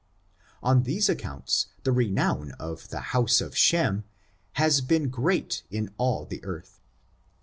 On these accounts, the renown of the house of Shem^ has been great in all the earth.